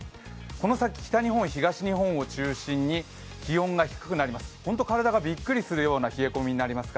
この先、北日本、東日本を中心に気温が低くなります。